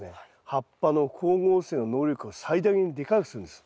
葉っぱの光合成の能力を最大にでかくするんです。